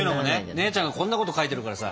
姉ちゃんがこんなこと書いてるからさ。